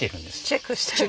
チェックしてる。